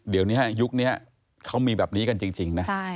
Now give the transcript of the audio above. เดี๋ยวนี้ยุคนี้เขามีแบบนี้กันจริงนะ